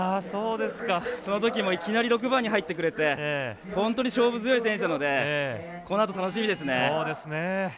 そのときもいきなり６番に入ってくれて本当に勝負強い選手なのでこのあと楽しみですね。